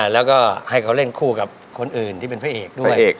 แล้วก็ให้เขาเล่นคู่กับคนอื่นที่เป็นพระเอกด้วย